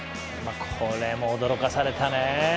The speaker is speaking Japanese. これも驚かされたね。